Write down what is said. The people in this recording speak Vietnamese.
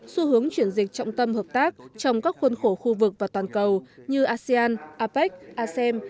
xu hướng chuyển dịch trọng tâm hợp tác trong các khuôn khổ khu vực và toàn cầu như asean apec asem